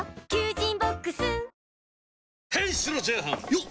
よっ！